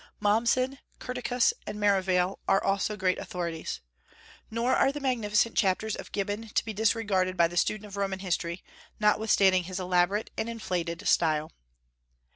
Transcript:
Mommsen, Curtius, and Merivale are also great authorities. Nor are the magnificent chapters of Gibbon to be disregarded by the student of Roman history, notwithstanding his elaborate and inflated style.